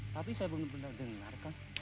tapi saya benar benar dengar kan